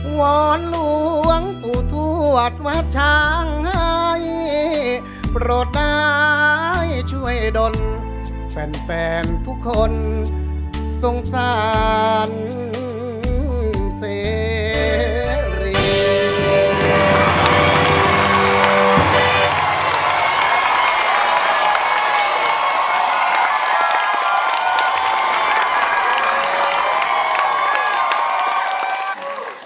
วอนหลวงปู่ทวดวัดช้างให้โปรดได้ช่วยดนแฟนทุกคนสงสารเสรี